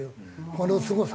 このすごさ。